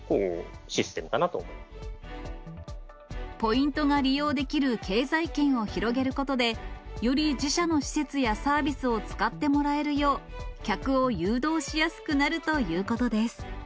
ポイントが利用できる経済圏を広げることで、より自社の施設やサービスを使ってもらえるよう、客を誘導しやすくなるということです。